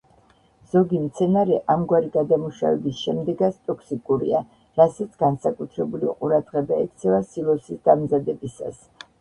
ზოგი მცენარე ამგვარი გადამუშავების შემდეგაც ტოქსიკურია, რასაც განსაკუთრებული ყურადღება ექცევა სილოსის დამზადებისას.